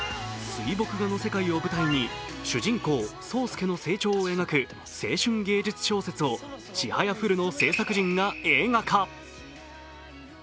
水墨画の世界を舞台に主人公、霜介の成長を描く青春芸術小説を「ちはやふる」の製作陣が映画化。